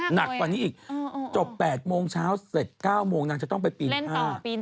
หนักกว่านี้อีกจบ๘โมงเช้าเสร็จ๙โมงนางจะต้องไปปีนผ้า